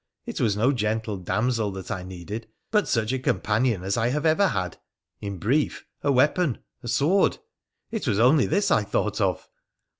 It was no gentle damsel that I needed, but such a com panion as I have ever had — in brief, a weapon, a sword. It was only this I thought of.'